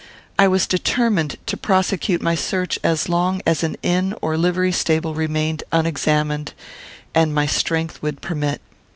I was determined to prosecute my search as long as an inn or a livery stable remained unexamined, and my strength would permit.